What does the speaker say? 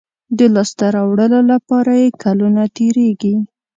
د لاسته راوړلو لپاره یې کلونه تېرېږي.